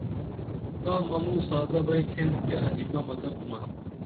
تاں منوں سادہ بئی تھین کیہ عجیبہ مزہ کُنا